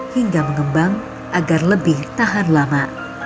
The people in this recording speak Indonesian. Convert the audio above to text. hingga mengembang agar lebih tahan lama